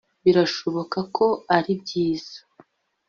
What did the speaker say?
birashoboka ko ari byiza